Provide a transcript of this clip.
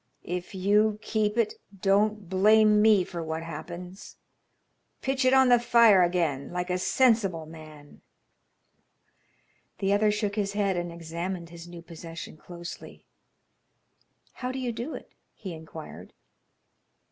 If you keep it, don't blame me for what happens. Pitch it on the fire again like a sensible man." The other shook his head and examined his new possession closely. "How do you do it?" he inquired.